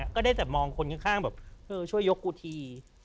ก็ได้แต่มองคนข้างแบบเธอช่วยยกกูที